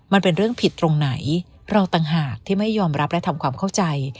มันเป็นเรื่องผิดตรงไหนเราต่างหากที่ไม่ยอมรับและทำความเข้าใจ